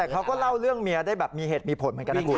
เขาเหล่าเรื่องเมียก็ได้แบบมีเหตุมีผลเหมือนกันครับ